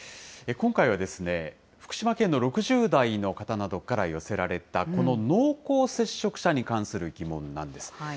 今回はですね、福島県の６０代の方などから寄せられた、この濃厚接触者に関する疑問なんです。